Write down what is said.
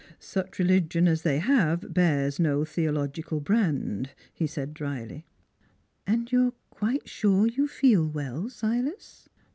" Such religion as they have bears no theolog ical brand," he said dryly. " And you're quite sure you feel well, Silas?